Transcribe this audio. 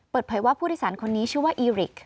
เปิดเผยว่าผู้โดยสารคนนี้ชื่อว่าอีริก